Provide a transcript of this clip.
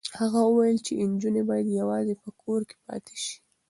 هغه وویل چې نجونې باید یوازې په کور کې پاتې شي.